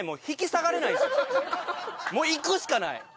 もういくしかない！